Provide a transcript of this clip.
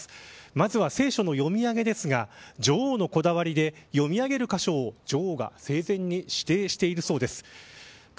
まずは、聖書の読み上げですが女王のこだわりで読み上げる箇所を女王が生前にしていたそうです。